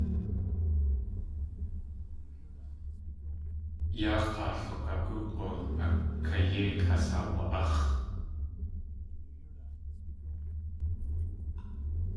Yaa k̲aa lunagúg̲u a kayéik has aawa.áx̲.